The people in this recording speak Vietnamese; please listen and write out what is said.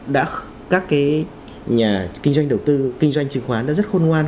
các cái nhà kinh doanh đầu tư kinh doanh chứng khoán đã rất khôn ngoan